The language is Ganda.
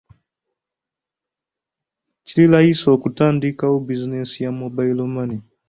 Kiri layisi okutandikawo bizinensi ya mobile money.